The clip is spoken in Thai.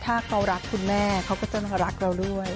ถ้าเขารักคุณแม่เขาก็จะรักเราด้วย